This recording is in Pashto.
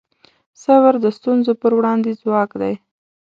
صبر د ستونزو پر وړاندې ځواک دی.